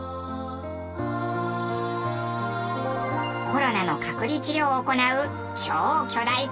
コロナの隔離治療を行う超巨大仮設病院。